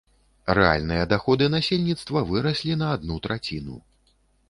Рэальныя даходы насельніцтва выраслі на адну траціну.